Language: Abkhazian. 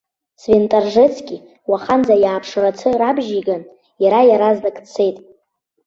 Свентаржецки, уаханӡа иааԥшрацы рабжьеиган, иара иаразнак дцеит.